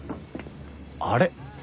あれ？